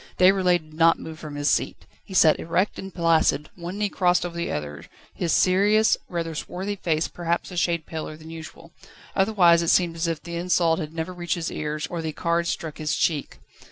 Déroulède did not move from his seat. He sat erect and placid, one knee crossed over the other, his serious, rather swarthy face perhaps a shade paler than usual: otherwise it seemed as if the insult had never reached his ears, or the cards struck his cheek.